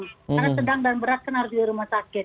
karena sedang dan berat harus di rumah sakit